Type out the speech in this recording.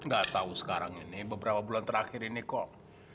gak tau sekarang ini beberapa bulan terakhir ini kok